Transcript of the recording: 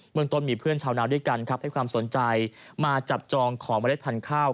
เมืองต้นมีเพื่อนชาวนาวด้วยกันครับให้ความสนใจมาจับจองของเมล็ดพันธุ์ข้าว